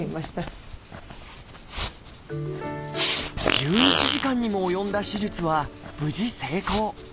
１１時間にも及んだ手術は無事成功。